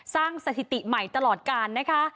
สถิติใหม่ตลอดการนะคะ